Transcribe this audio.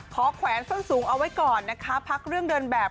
แขวนส้นสูงเอาไว้ก่อนนะคะพักเรื่องเดินแบบ